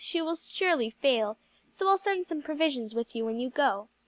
she will surely fail, so I'll send some provisions with you when you go.'